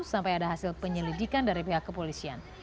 sampai ada hasil penyelidikan dari pihak kepolisian